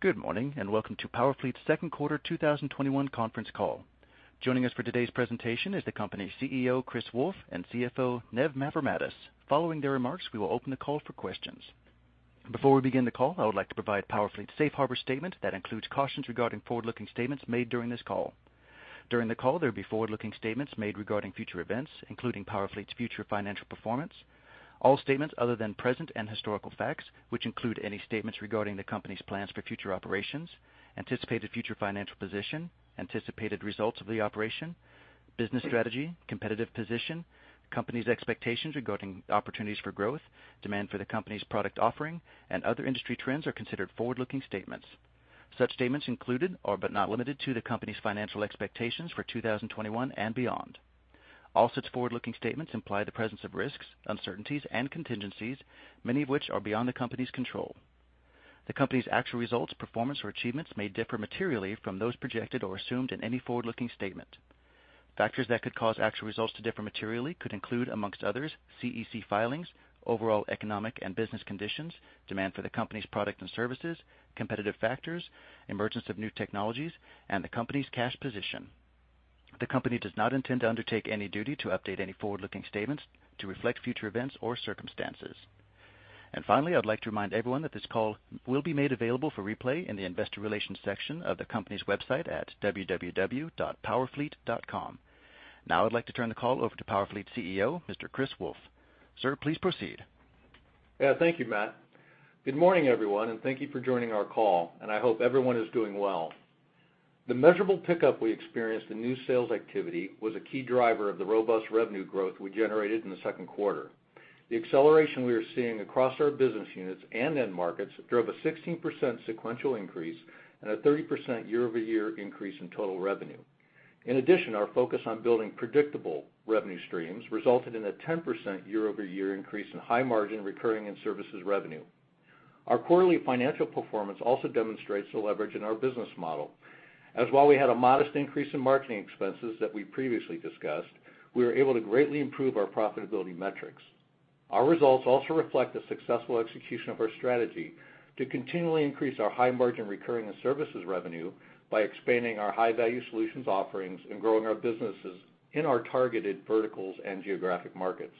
Good morning, and welcome to PowerFleet's second quarter 2021 conference call. Joining us for today's presentation is the company's CEO, Chris Wolfe, and CFO, Ned Mavrommatis. Following their remarks, we will open the call for questions. Before we begin the call, I would like to provide PowerFleet's safe harbor statement that includes cautions regarding forward-looking statements made during this call. During the call, there will be forward-looking statements made regarding future events, including PowerFleet's future financial performance. All statements other than present and historical facts, which include any statements regarding the company's plans for future operations, anticipated future financial position, anticipated results of the operation, business strategy, competitive position, the company's expectations regarding opportunities for growth, demand for the company's product offering, and other industry trends are considered forward-looking statements. Such statements included but not limited to the company's financial expectations for 2021 and beyond. All such forward-looking statements imply the presence of risks, uncertainties, and contingencies, many of which are beyond the company's control. The company's actual results, performance, or achievements may differ materially from those projected or assumed in any forward-looking statement. Factors that could cause actual results to differ materially could include, amongst others, SEC filings, overall economic and business conditions, demand for the company's products and services, competitive factors, emergence of new technologies, and the company's cash position. The company does not intend to undertake any duty to update any forward-looking statements to reflect future events or circumstances. Finally, I would like to remind everyone that this call will be made available for replay in the investor relations section of the company's website at www.powerfleet.com. Now I'd like to turn the call over to PowerFleet CEO, Mr. Chris Wolfe. Sir, please proceed. Yeah. Thank you, Matt. Good morning, everyone, and thank you for joining our call, and I hope everyone is doing well. The measurable pickup we experienced in new sales activity was a key driver of the robust revenue growth we generated in the second quarter. The acceleration we are seeing across our business units and end markets drove a 16% sequential increase and a 30% year-over-year increase in total revenue. In addition, our focus on building predictable revenue streams resulted in a 10% year-over-year increase in high-margin recurring and services revenue. Our quarterly financial performance also demonstrates the leverage in our business model, as while we had a modest increase in marketing expenses that we previously discussed, we were able to greatly improve our profitability metrics. Our results also reflect the successful execution of our strategy to continually increase our high-margin recurring and services revenue by expanding our high-value solutions offerings and growing our businesses in our targeted verticals and geographic markets.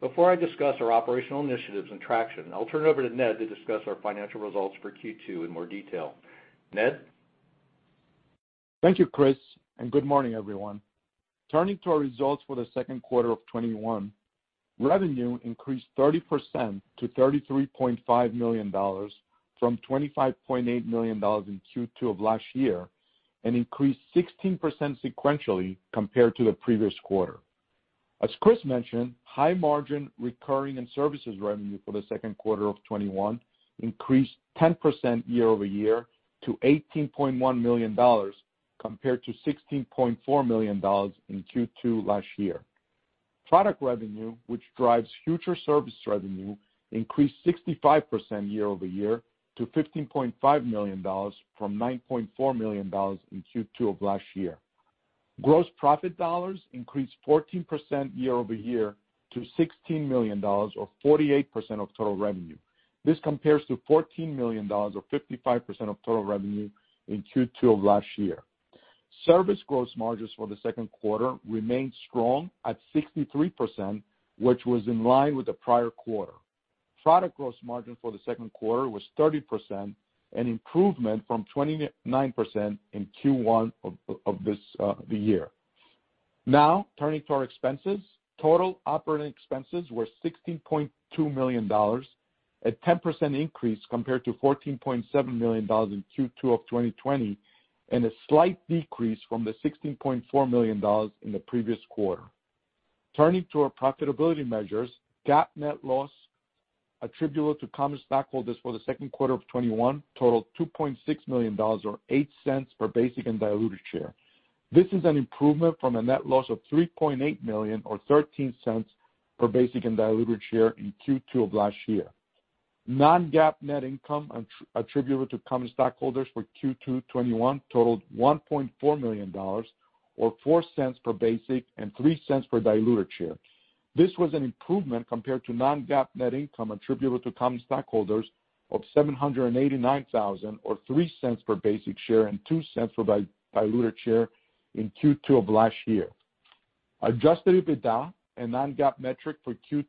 Before I discuss our operational initiatives and traction, I'll turn it over to Ned to discuss our financial results for Q2 in more detail. Ned? Thank you, Chris, and good morning, everyone. Turning to our results for the second quarter of 2021, revenue increased 30% to $33.5 million from $25.8 million in Q2 of last year, and increased 16% sequentially compared to the previous quarter. As Chris mentioned, high-margin recurring and services revenue for the second quarter of 2021 increased 10% year-over-year to $18.1 million, compared to $16.4 million in Q2 last year. Product revenue, which drives future service revenue, increased 65% year-over-year to $15.5 million from $9.4 million in Q2 of last year. Gross profit dollars increased 14% year-over-year to $16 million, or 48% of total revenue. This compares to $14 million, or 55% of total revenue in Q2 of last year. Service gross margins for the second quarter remained strong at 63%, which was in line with the prior quarter. Product gross margin for the second quarter was 30%, an improvement from 29% in Q1 of the year. Now, turning to our expenses. Total operating expenses were $16.2 million, a 10% increase compared to $14.7 million in Q2 of 2020, and a slight decrease from the $16.4 million in the previous quarter. Turning to our profitability measures, GAAP net loss attributable to common stockholders for the second quarter of 2021 totaled $2.6 million, or $0.08 per basic and diluted share. This is an improvement from a net loss of $3.8 million or $0.13 per basic and diluted share in Q2 of last year. Non-GAAP net income attributable to common stockholders for Q2 2021 totaled $1.4 million or $0.04 per basic and $0.03 per diluted share. This was an improvement compared to non-GAAP net income attributable to common stockholders of $789,000, or $0.03 per basic share and $0.02 per diluted share in Q2 of last year. Adjusted EBITDA, a non-GAAP metric for Q2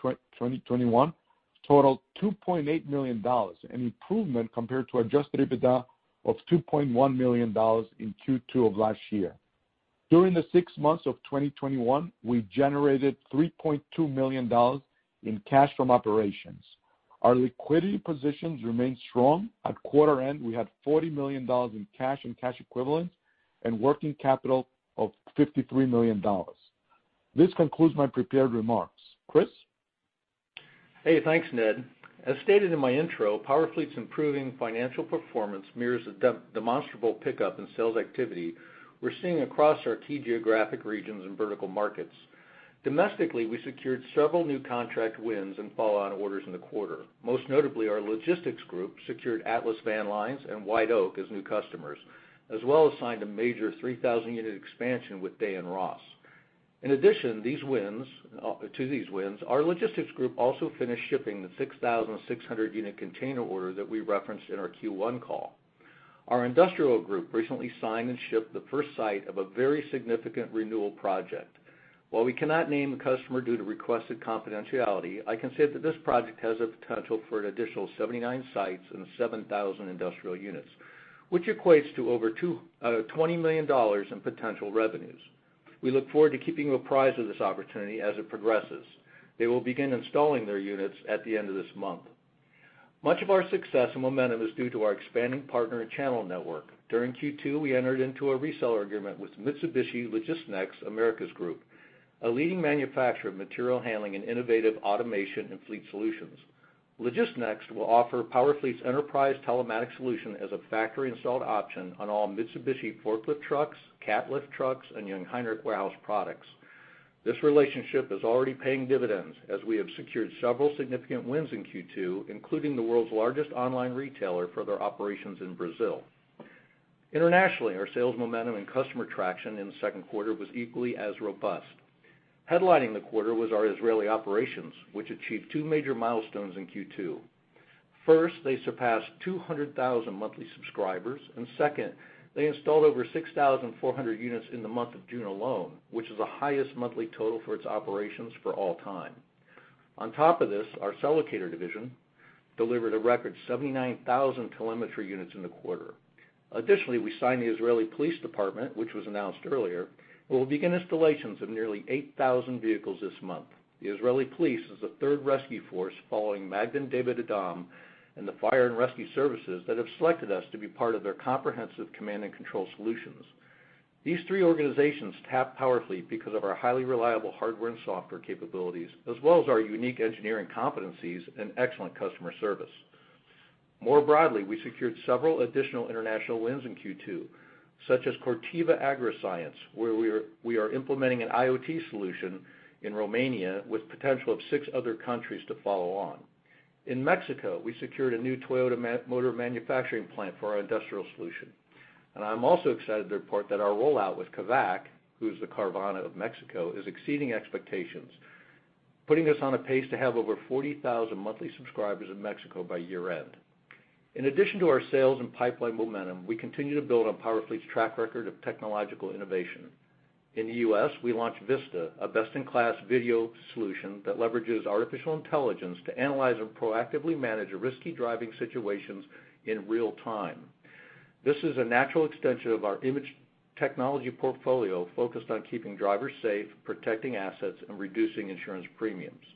2021, totaled $2.8 million, an improvement compared to adjusted EBITDA of $2.1 million in Q2 of last year. During the six months of 2021, we generated $3.2 million in cash from operations. Our liquidity positions remain strong. At quarter end, we had $40 million in cash and cash equivalents and working capital of $53 million. This concludes my prepared remarks. Chris? Hey, thanks, Ned. As stated in my intro, PowerFleet's improving financial performance mirrors the demonstrable pickup in sales activity we're seeing across our key geographic regions and vertical markets. Domestically, we secured several new contract wins and follow-on orders in the quarter. Most notably, our logistics group secured Atlas Van Lines and White Oak as new customers, as well as signed a major 3,000-unit expansion with Day & Ross. In addition to these wins, our logistics group also finished shipping the 6,600-unit container order that we referenced in our Q1 call. Our industrial group recently signed and shipped the first site of a very significant renewal project. While we cannot name the customer due to requested confidentiality, I can say that this project has a potential for an additional 79 sites and 7,000 industrial units, which equates to over $20 million in potential revenues. We look forward to keeping you apprised of this opportunity as it progresses. They will begin installing their units at the end of this month. Much of our success and momentum is due to our expanding partner and channel network. During Q2, we entered into a reseller agreement with Mitsubishi Logisnext Americas Group, a leading manufacturer of material handling and innovative automation and fleet solutions. Logisnext will offer PowerFleet's enterprise telematic solution as a factory-installed option on all Mitsubishi forklift trucks, Cat Lift Trucks, and Jungheinrich warehouse products. This relationship is already paying dividends, as we have secured several significant wins in Q2, including the world's largest online retailer for their operations in Brazil. Internationally, our sales momentum and customer traction in the second quarter was equally as robust. Headlining the quarter was our Israeli operations, which achieved two major milestones in Q2. First, they surpassed 200,000 monthly subscribers, and second, they installed over 6,400 units in the month of June alone, which is the highest monthly total for its operations for all time. On top of this, our Cellocator division delivered a record 79,000 telemetry units in the quarter. Additionally, we signed the Israel Police, which was announced earlier, and will begin installations of nearly 8,000 vehicles this month. The Israel Police is the third rescue force following Magen David Adom and the fire and rescue services that have selected us to be part of their comprehensive command and control solutions. These three organizations tapped PowerFleet because of our highly reliable hardware and software capabilities, as well as our unique engineering competencies and excellent customer service. More broadly, we secured several additional international wins in Q2, such as Corteva Agriscience, where we are implementing an IoT solution in Romania with potential of six other countries to follow on. In Mexico, we secured a new Toyota motor manufacturing plant for our industrial solution. I'm also excited to report that our rollout with Kavak, who is the Carvana of Mexico, is exceeding expectations, putting us on a pace to have over 40,000 monthly subscribers in Mexico by year-end. In addition to our sales and pipeline momentum, we continue to build on PowerFleet's track record of technological innovation. In the U.S., we launched Vista, a best-in-class video solution that leverages artificial intelligence to analyze and proactively manage risky driving situations in real time. This is a natural extension of our image technology portfolio focused on keeping drivers safe, protecting assets, and reducing insurance premiums.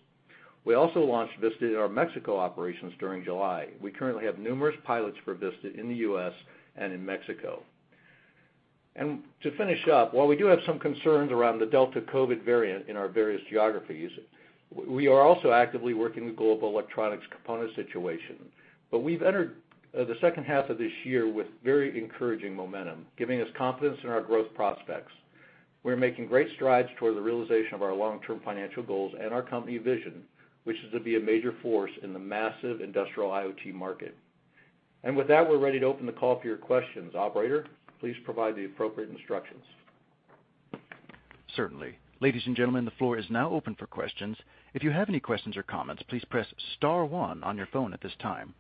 We also launched Vista in our Mexico operations during July. We currently have numerous pilots for Vista in the U.S. and in Mexico. To finish up, while we do have some concerns around the Delta COVID variant in our various geographies, we are also actively working the global electronics component situation. We've entered the second half of this year with very encouraging momentum, giving us confidence in our growth prospects. We are making great strides toward the realization of our long-term financial goals and our company vision, which is to be a major force in the massive industrial IoT market. With that, we're ready to open the call for your questions. Operator, please provide the appropriate instructions. Certainly. Ladies and gentlemen, the floor is now open for questions. If you have any questions or comments, please press star one on your phone at this time.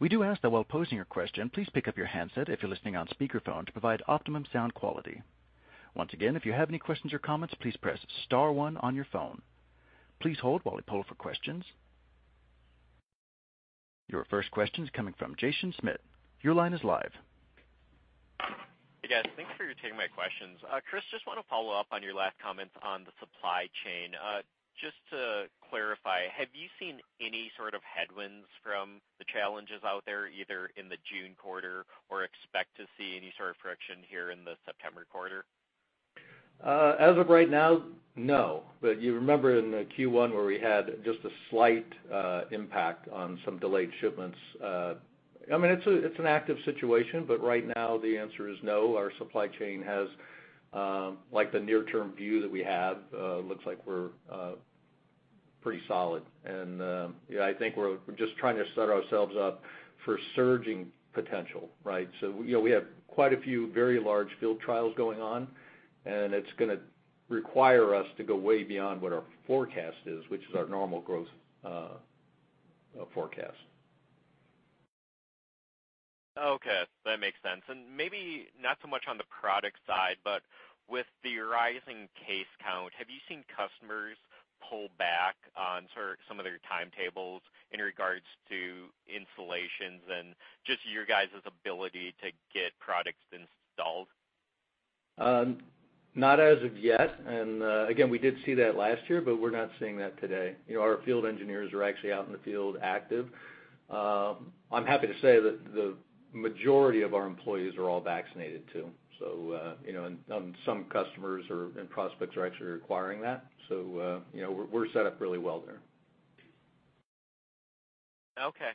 We do ask that while posing your question, please pick up your handset if you're listening on speakerphone to provide optimum sound quality. Once again, if you have any questions or comments, please press star one on your phone. Please hold while we poll for questions. Your first question is coming from Jaeson Schmidt. Your line is live. Hey, guys. Thanks for taking my questions. Chris, just want to follow up on your last comments on the supply chain. Just to clarify, have you seen any sort of headwinds from the challenges out there, either in the June quarter or expect to see any sort of friction here in the September quarter? As of right now, no. You remember in the Q1 where we had just a slight impact on some delayed shipments. It's an active situation, but right now the answer is no. Our supply chain has, like the near-term view that we have, looks like we're pretty solid. I think we're just trying to set ourselves up for surging potential, right? We have quite a few very large field trials going on, and it's going to require us to go way beyond what our forecast is, which is our normal growth forecast. Okay, that makes sense. Maybe not so much on the product side, but with the rising case count, have you seen customers pull back on some of their timetables in regards to installations and just your guys' ability to get products installed? Not as of yet. Again, we did see that last year, but we're not seeing that today. Our field engineers are actually out in the field active. I'm happy to say that the majority of our employees are all vaccinated, too. Some customers and prospects are actually requiring that. We're set up really well there. Okay.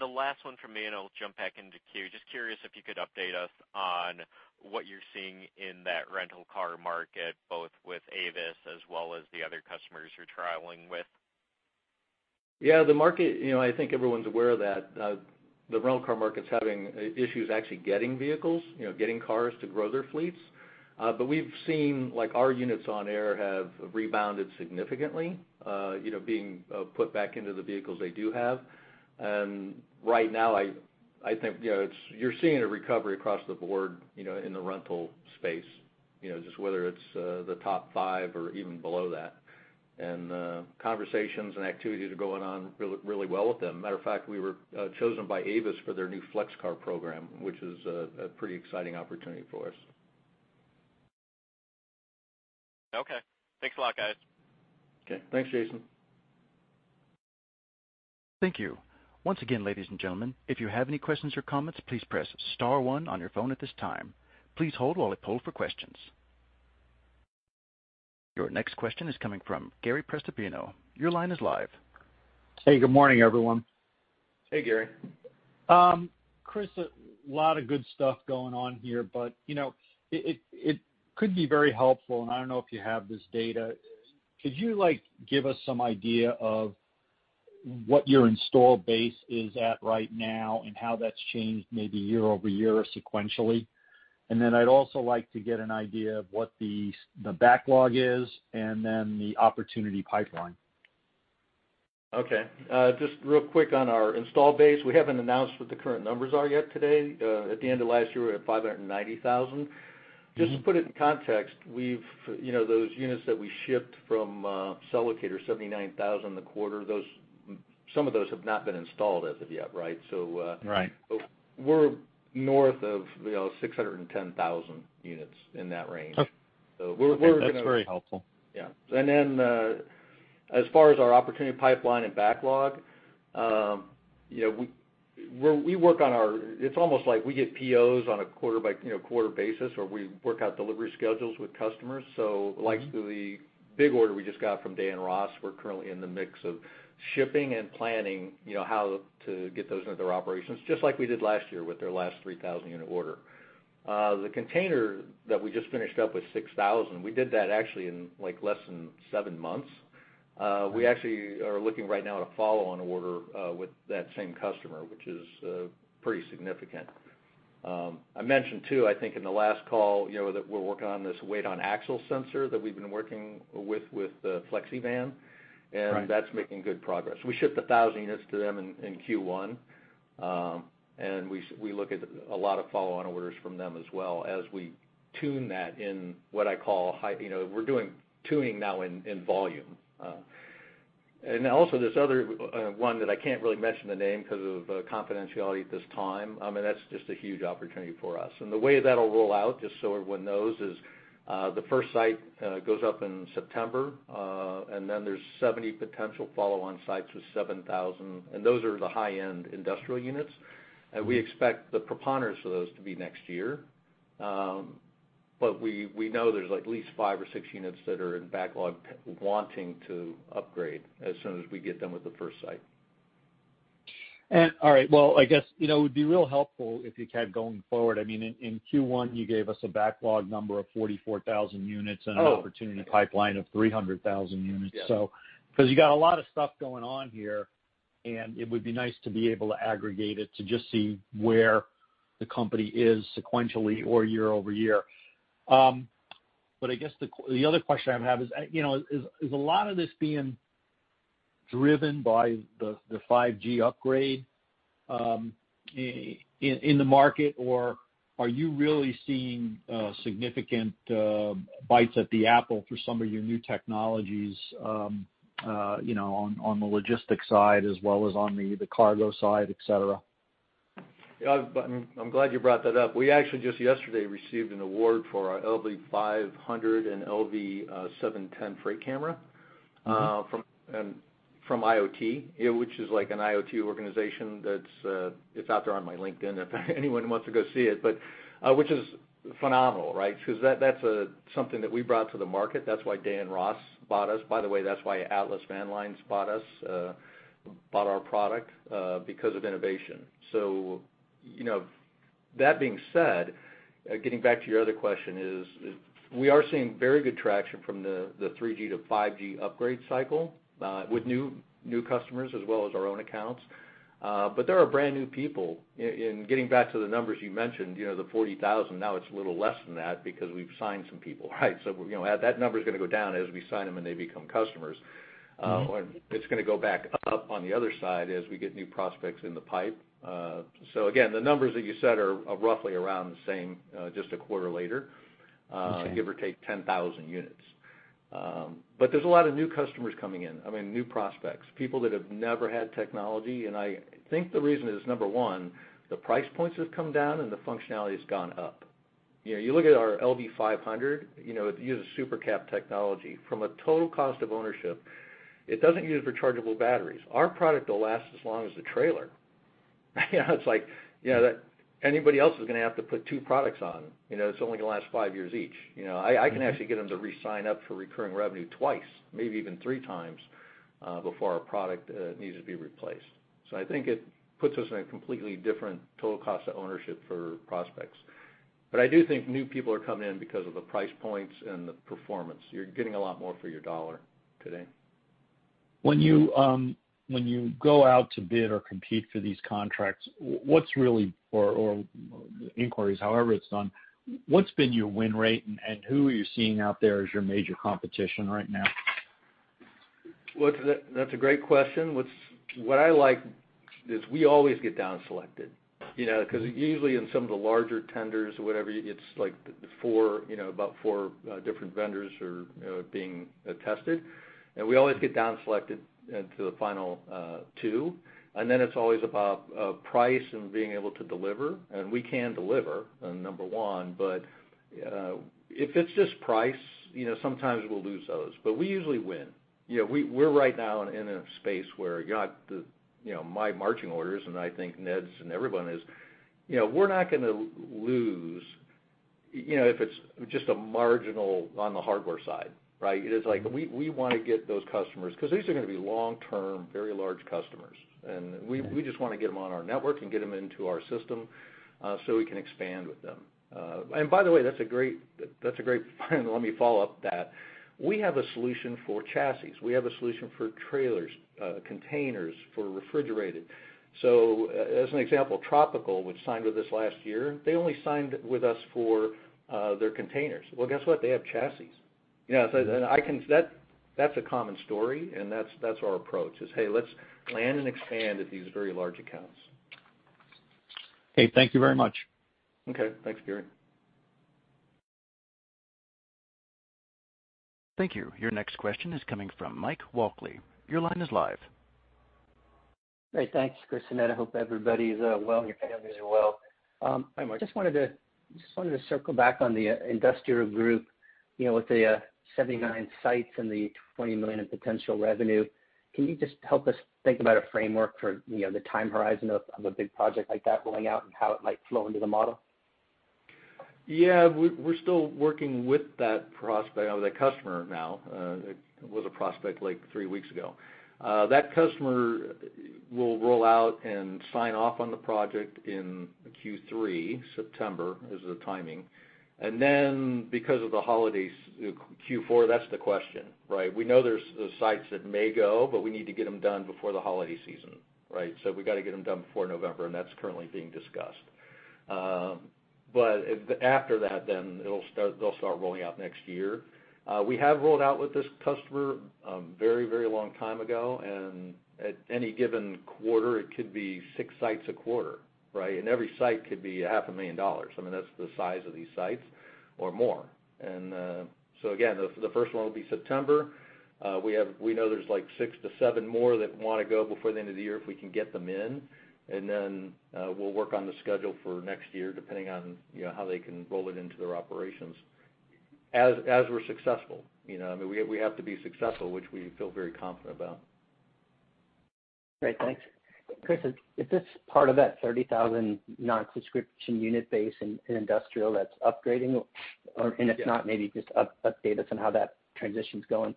The last one from me, and I'll jump back into queue. Just curious if you could update us on what you're seeing in that rental car market, both with Avis as well as the other customers you're trialing with. The market, I think everyone's aware that the rental car market's having issues actually getting vehicles, getting cars to grow their fleets. We've seen our units on air have rebounded significantly, being put back into the vehicles they do have. Right now, I think you're seeing a recovery across the board in the rental space, just whether it's the top five or even below that. Conversations and activities are going on really well with them. Matter of fact, we were chosen by Avis for their new Flex Car Program, which is a pretty exciting opportunity for us. Okay. Thanks a lot, guys. Okay. Thanks, Jaeson. Thank you. Once again ladies and gentlemen, if you have any question or comment please press star one on your phone this time. Your next question is coming from Gary Prestopino. Hey, good morning, everyone. Hey, Gary. Chris, a lot of good stuff going on here. It could be very helpful, and I don't know if you have this data. Could you give us some idea of what your install base is at right now, and how that's changed maybe year-over-year or sequentially? I'd also like to get an idea of what the backlog is and then the opportunity pipeline. Okay. Just real quick on our install base, we haven't announced what the current numbers are yet today. At the end of last year, we were at 590,000. Just to put it in context, those units that we shipped from Cellocator, 79,000 in the quarter, some of those have not been installed as of yet, right? Right. We're north of 610,000 units, in that range. Okay. So we're going to- That's very helpful. Yeah. As far as our opportunity pipeline and backlog, it's almost like we get POs on a quarter basis, where we work out delivery schedules with customers. Like the big order we just got from Day & Ross, we're currently in the mix of shipping and planning how to get those into their operations, just like we did last year with their last 3,000-unit order. The container that we just finished up with 6,000, we did that actually in less than seven months. We actually are looking right now at a follow-on order with that same customer, which is pretty significant. I mentioned too, I think in the last call, that we're working on this weight on axle sensor that we've been working with FlexiVan. Right. That's making good progress. We shipped 1,000 units to them in Q1. We look at a lot of follow-on orders from them as well as we tune that. We're doing tuning now in volume. Also, this other one that I can't really mention the name because of confidentiality at this time. That's just a huge opportunity for us. The way that'll roll out, just so everyone knows, is the first site goes up in September, and then there's 70 potential follow-on sites with 7,000. Those are the high-end industrial units. We expect the preponderance of those to be next year. We know there's at least five or six units that are in backlog wanting to upgrade as soon as we get done with the first site. All right. Well, I guess, it would be real helpful if you kept going forward. In Q1, you gave us a backlog number of 44,000 units. Oh. An opportunity pipeline of 300,000 units. Yeah. You got a lot of stuff going on here, and it would be nice to be able to aggregate it to just see where the company is sequentially or year-over-year. I guess the other question I have is a lot of this being driven by the 5G upgrade in the market, or are you really seeing significant bites at the apple through some of your new technologies on the logistics side as well as on the cargo side, et cetera? I'm glad you brought that up. We actually just yesterday received an award for our LV 500 and LV 710 freight camera from IoT, which is an IoT organization that's out there on my LinkedIn if anyone wants to go see it. Which is phenomenal, right? Because that's something that we brought to the market. That's why Day & Ross bought us. By the way, that's why Atlas Van Lines bought our product, because of innovation. That being said, getting back to your other question is, we are seeing very good traction from the 3G to 5G upgrade cycle with new customers as well as our own accounts. There are brand-new people. In getting back to the numbers you mentioned, the 40,000, now it's a little less than that because we've signed some people. That number's going to go down as we sign them and they become customers. It's going to go back up on the other side as we get new prospects in the pipe. Again, the numbers that you said are roughly around the same, just a quarter later- Okay ...give or take 10,000 units. There's a lot of new customers coming in. New prospects. People that have never had technology. I think the reason is, number one, the price points have come down and the functionality has gone up. You look at our LV-500, it uses supercap technology. From a total cost of ownership, it doesn't use rechargeable batteries. Our product will last as long as the trailer. It's like anybody else is going to have to put 2 products on. It's only going to last five years each. I can actually get them to re-sign up for recurring revenue twice, maybe even 3x, before our product needs to be replaced. I think it puts us in a completely different total cost of ownership for prospects. I do think new people are coming in because of the price points and the performance. You're getting a lot more for your dollar today. When you go out to bid or compete for these contracts or inquiries, however it's done, what's been your win rate, and who are you seeing out there as your major competition right now? That's a great question. What I like is we always get down-selected. Usually in some of the larger tenders or whatever, it's about four different vendors are being tested. We always get down-selected into the final two, and then it's always about price and being able to deliver. We can deliver, number one, but if it's just price, sometimes we'll lose those. We usually win. We're right now in a space where, my marching orders, and I think Ned's and everyone is, we're not going to lose if it's just a marginal on the hardware side, right? It is like, we want to get those customers, because these are going to be long-term, very large customers. We just want to get them on our network and get them into our system so we can expand with them. By the way, that's a great find. Let me follow up that. We have a solution for chassis. We have a solution for trailers, containers for refrigerated. As an example, Tropical, which signed with us last year, they only signed with us for their containers. Well, guess what? They have chassis. That's a common story, and that's our approach is, "Hey, let's land and expand at these very large accounts. Hey, thank you very much. Okay. Thanks, Gary. Thank you. Your next question is coming from Mike Walkley. Your line is live. Great. Thanks, Chris and Ned. I hope everybody's well, and your families are well. Hi, Mike. I just wanted to circle back on the industrial group. With the 79 sites and the $20 million in potential revenue, can you just help us think about a framework for the time horizon of a big project like that rolling out and how it might flow into the model? We're still working with that customer now. It was a prospect like three weeks ago. That customer will roll out and sign off on the project in Q3, September is the timing. Because of the holidays, Q4, that's the question, right? We know there's sites that may go, but we need to get them done before the holiday season, right? We've got to get them done before November, and that's currently being discussed. After that, then they'll start rolling out next year. We have rolled out with this customer very long time ago, and at any given quarter, it could be six sites a quarter, right? Every site could be a $500,000. I mean, that's the size of these sites, or more. Again, the first one will be September. We know there's six to seven more that want to go before the end of the year, if we can get them in, and then we'll work on the schedule for next year, depending on how they can roll it into their operations, as we're successful. I mean, we have to be successful, which we feel very confident about. Great. Thanks. Chris, is this part of that 30,000 non-subscription unit base in industrial that's upgrading? Yeah. If not, maybe just update us on how that transition's going.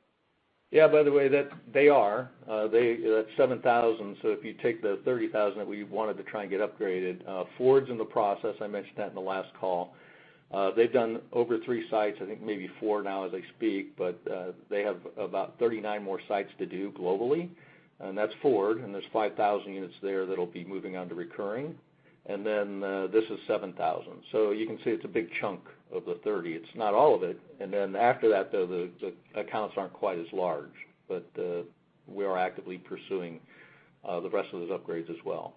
By the way, they are. That's 7,000. If you take the 30,000 that we wanted to try and get upgraded, Ford's in the process. I mentioned that in the last call. They've done over three sites, I think maybe four now as I speak, but they have about 39 more sites to do globally, and that's Ford, and there's 5,000 units there that'll be moving on to recurring. This is 7,000. You can see it's a big chunk of the 30,000. It's not all of it. After that, though, the accounts aren't quite as large. We are actively pursuing the rest of those upgrades as well.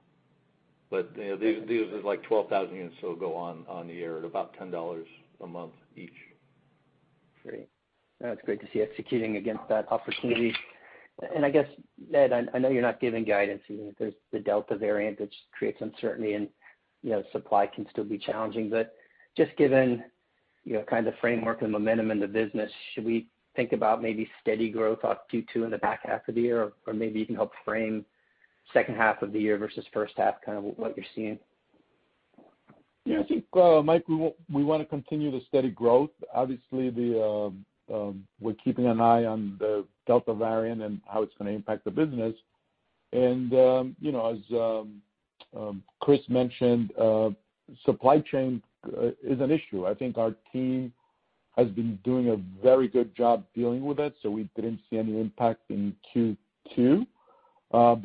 These are like 12,000 units that'll go on the air at about $10 a month each. Great. That's great to see executing against that opportunity. I guess, Ned, I know you're not giving guidance, even if there's the Delta variant, which creates uncertainty, and supply can still be challenging. Just given your kind of framework and momentum in the business, should we think about maybe steady growth up Q2 in the back half of the year? Maybe you can help frame second half of the year versus first half, kind of what you're seeing. Yeah, I think, Mike, we want to continue the steady growth. Obviously, we're keeping an eye on the Delta variant and how it's going to impact the business. As Chris mentioned, supply chain is an issue. I think our team has been doing a very good job dealing with it, so we didn't see any impact in Q2.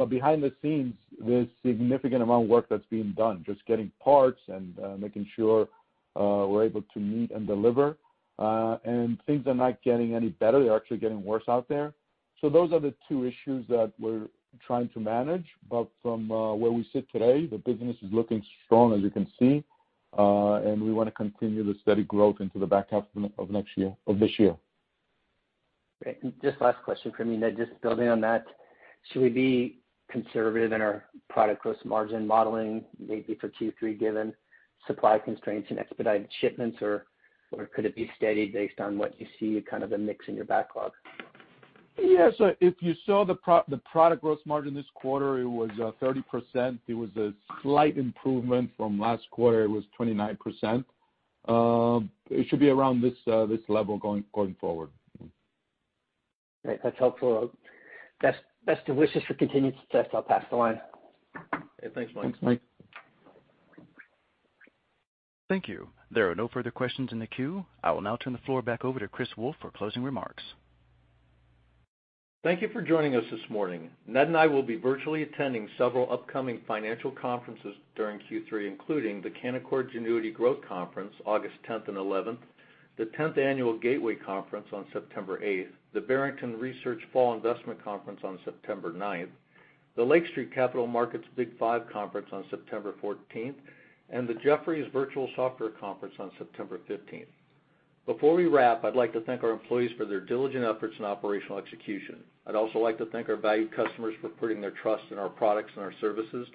Behind the scenes, there's significant amount of work that's being done, just getting parts and making sure we're able to meet and deliver. Things are not getting any better. They're actually getting worse out there. Those are the two issues that we're trying to manage. From where we sit today, the business is looking strong, as you can see. We want to continue the steady growth into the back half of this year. Great. Just last question for me, Ned, just building on that. Should we be conservative in our product gross margin modeling maybe for Q3, given supply constraints and expedited shipments, or could it be steady based on what you see kind of a mix in your backlog? Yeah. If you saw the product gross margin this quarter, it was 30%. It was a slight improvement from last quarter. It was 29%. It should be around this level going forward. Great. That's helpful. Best wishes for continued success. I'll pass the line. Thanks, Mike. Thanks, Mike. Thank you. There are no further questions in the queue. I will now turn the floor back over to Chris Wolfe for closing remarks. Thank you for joining us this morning. Ned and I will be virtually attending several upcoming financial conferences during Q3, including the Canaccord Genuity Growth Conference August 10th and 11th, the 10th Annual Gateway Conference on September 8th, the Barrington Research Fall Investment Conference on September 9th, the Lake Street Capital Markets Big 5 Conference on September 14th, and the Jefferies Virtual Software Conference on September 15th. Before we wrap, I'd like to thank our employees for their diligent efforts and operational execution. I'd also like to thank our valued customers for putting their trust in our products and our services.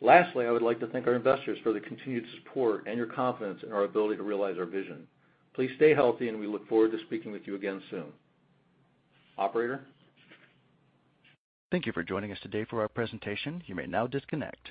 Lastly, I would like to thank our investors for the continued support and your confidence in our ability to realize our vision. Please stay healthy, and we look forward to speaking with you again soon. Operator? Thank you for joining us today for our presentation. You may now disconnect.